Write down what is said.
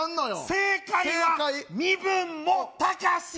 正解は正解身分も高し！